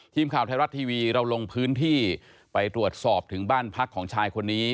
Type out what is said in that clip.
ทีมข่าวไทยรัฐทีวีเราลงพื้นที่ไปตรวจสอบถึงบ้านพักของชายคนนี้